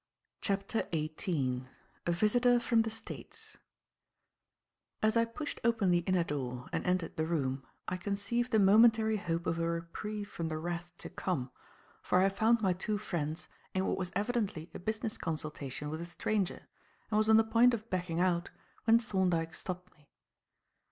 CHAPTER XVIII A VISITOR FROM THE STATES As I pushed open the inner door and entered the room I conceived the momentary hope of a reprieve from the wrath to come, for I found my two friends in what was evidently a business consultation with a stranger, and was on the point of backing out when Thorndyke stopped me.